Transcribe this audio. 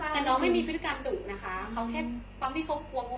แต่น้องไม่มีพฤติกรรมดุนะคะเขาแค่ความที่เขากลัวปุ๊บ